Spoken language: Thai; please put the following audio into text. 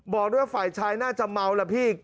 บอกด้วยฝ่ายชายน่าจะเมาล่ะพี่